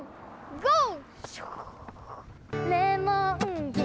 ゴー！